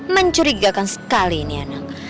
mencurigakan sekali ini anak